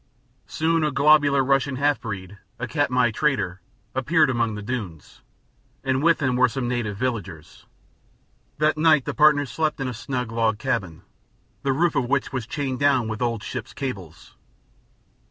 Soon a globular Russian half breed, the Katmai trader, appeared among the dunes, and with him were some native villagers. That night the partners slept in a snug log cabin, the roof of which was chained down with old ships' cables.